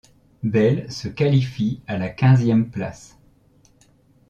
Bell se qualifie à la quinzième place.